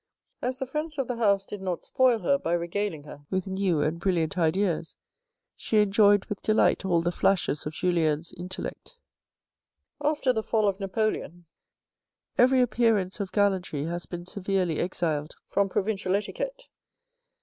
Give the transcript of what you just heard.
As the friends of the house did not spoil her by regaling her with new and brilliant ideas, she enjoyed with delight all the flashes of Julien's intellect. After the fall of Napoleon, every appearance of gallantry has been severely exiled from provincial etiquette.